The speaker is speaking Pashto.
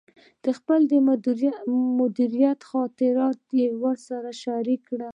د خپل مدیریت خاطرات یې راسره شریک کړل.